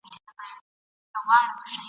چېرته به د سوي میني زور وینو !.